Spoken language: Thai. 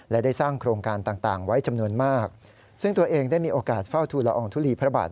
และได้สร้างโครงการต่างไว้จำนวนมากซึ่งตัวเองได้มีโอกาสเฝ้าทุลอองทุลีพระบาท